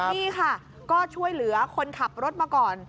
นี่ค่ะก็ช่วยเหลือคนขับรถมาก่อน